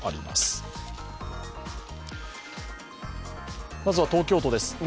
まずは東京都です